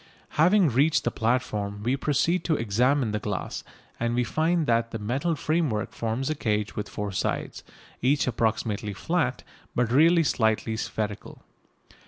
Having reached the platform we proceed to examine the glass, and we find that the metal framework forms a cage with four sides, each approximately flat, but really slightly spherical.